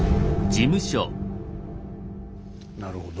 なるほど。